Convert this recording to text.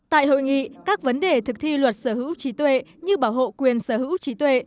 tại hội nghị các vấn đề thực thi luật sở hữu trí tuệ như bảo hộ quyền sở hữu trí tuệ